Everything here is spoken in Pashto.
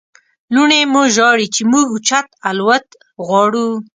لوڼې مو ژاړي چې موږ اوچت الوت غواړو.